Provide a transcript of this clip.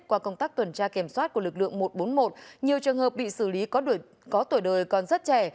qua công tác tuần tra kiểm soát của lực lượng một trăm bốn mươi một nhiều trường hợp bị xử lý có tuổi đời còn rất trẻ